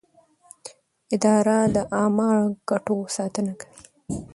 اداره د عامه ګټو ساتنه کوي.